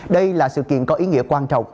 đây là sự kiện có ý nghĩa quan trọng